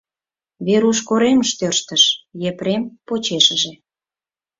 Веруш коремыш тӧрштыш, Епрем — почешыже.